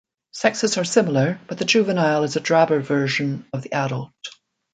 Sexes are similar, but the juvenile is a drabber version of the adult.